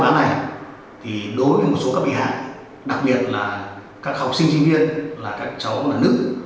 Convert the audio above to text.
án này thì đối với một số các bị hại đặc biệt là các học sinh sinh viên là các cháu là nữ